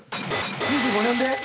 ２５年で。